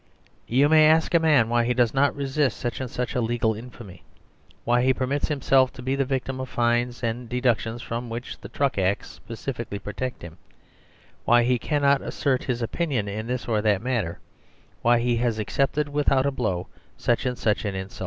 You may ask a man why he does not resist such and such a legal infamy; why he permits himself to be the victim of fines and deductions from which the Truck Acts specifically protect him ; why he cannot assert his opinion in this or that matter ; why he has accepted, without a blow, such and such an insult.